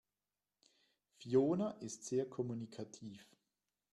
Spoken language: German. Fiona ist sehr kommunikativ.